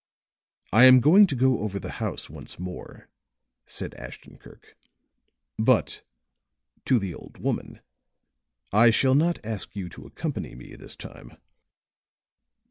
"I am going to go over the house once more," said Ashton Kirk, "but," to the old woman, "I shall not ask you to accompany me this time."